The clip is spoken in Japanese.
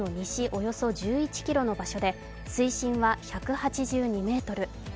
およそ１１ｋｍの場所で水深は１８２メートル。